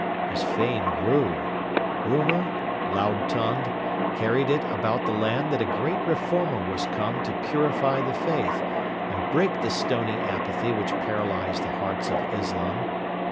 His fame grew. Rumour, loud tongued, carried it about the land that a great Reformer was come to purify the faith and break the stony apathy which paralysed the hearts of Islam.